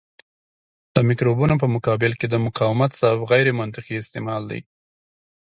د مکروبونو په مقابل کې د مقاومت سبب غیرمنطقي استعمال دی.